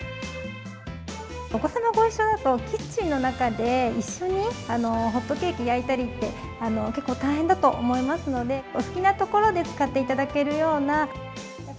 お子様ご一緒だと、キッチンの中で一緒にホットケーキ焼いたりって、結構大変だと思いますので、お好きな所で使っていただけるような。